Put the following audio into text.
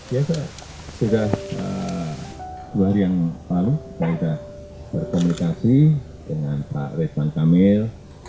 ya sudah dua hari yang lalu saya sudah berkomunikasi dengan pak ridwan kamil